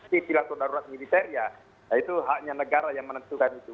si pilar atau darurat militer ya itu haknya negara yang menentukan itu